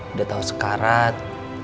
udah tahu sekarat